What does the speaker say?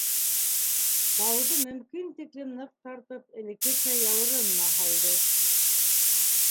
Бауҙы мөмкин тиклем ныҡ тартып, элеккесә яурынына һалды.